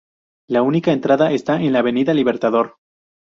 La única entrada está en la Avenida Libertador.